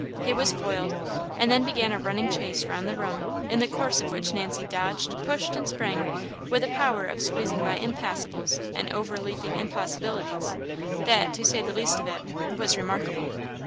He was foiled; and then began a running chase round the room, in the course of which Nancy dodged, pushed, and sprang, with the power of squeezing by impassables, and overleaping impossibilities, that, to say the least of it, was remarkable.